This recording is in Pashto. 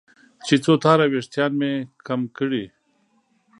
چې څو تاره وېښتان مې کم کړي.